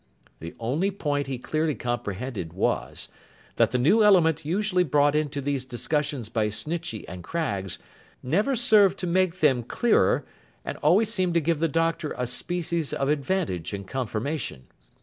The only point he clearly comprehended, was, that the new element usually brought into these discussions by Snitchey and Craggs, never served to make them clearer, and always seemed to give the Doctor a species of advantage and confirmation.